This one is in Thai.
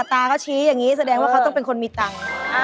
ตัดตาร้ายเขาชี้อย่างงี้แสดงว่าเขาต้องเป็นคนมีตังค์